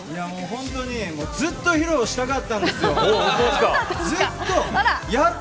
本当にずっと披露したかったんですよ。